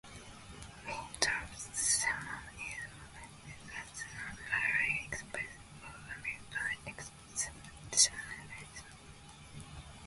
Winthrop's sermon is often cited as an early example of American exceptionalism.